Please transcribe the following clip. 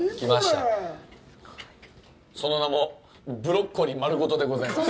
その名も「ブロッコリーまるごと」でございます。